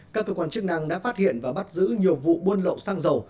các tổ quản chức năng đã phát hiện và bắt giữ nhiều vụ buôn lậu sang dầu